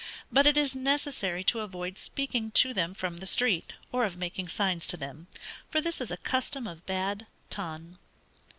But it is necessary to avoid speaking to them from the street, or of making signs to them, for this is a custom of bad ton.